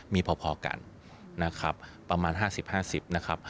มีพอกันนะครับประมาณ๕๐๕๐นะครับ